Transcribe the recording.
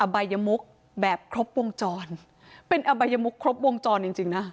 ใบยมุกแบบครบวงจรเป็นอบายมุกครบวงจรจริงนะ